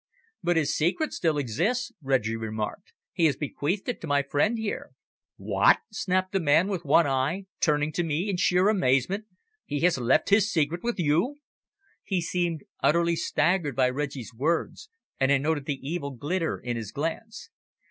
"But his secret still exists," Reggie remarked. "He has bequeathed it to my friend here." "What!" snapped the man with one eye, turning to me in sheer amazement. "He has left his secret with you?" He seemed utterly staggered by Reggie's words, and I noted the evil glitter in his glance.